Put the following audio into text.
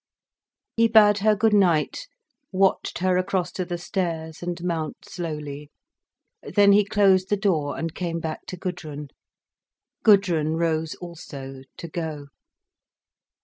He bade her good night, watched her across to the stairs and mount slowly. Then he closed the door and came back to Gudrun. Gudrun rose also, to go.